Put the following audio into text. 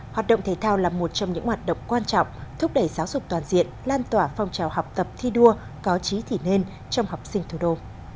hoạt động thể thao là một trong những hoạt động quan trọng thúc đẩy giáo dục toàn diện lan tỏa phong trào học tập thi đua có trí thỉ nên trong học sinh thủ đô